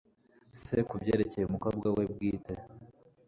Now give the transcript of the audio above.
se kubyerekeye umukobwa we bwite